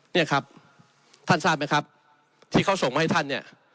เนี่ยครับท่านทราบไหมครับที่เขาส่งมาให้ท่านเนี่ย